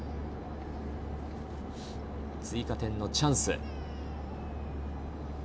追加点のチャンス。